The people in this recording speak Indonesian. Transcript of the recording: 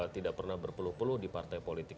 tidak pernah berpeluh peluh di partai politik